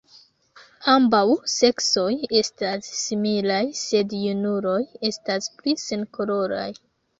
Ambaŭ seksoj estas similaj, sed junuloj estas pli senkoloraj.